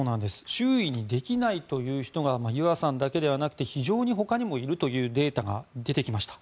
周囲に相談できないという人がゆあさんだけではなくて非常にほかにもいるというデータが出てきました。